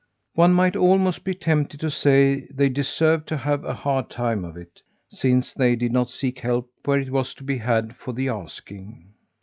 One might almost be tempted to say they deserved to have a hard time of it, since they did not seek help where it was to be had for the asking.